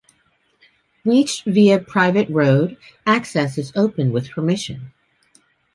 Reached via private road, access is open with permission.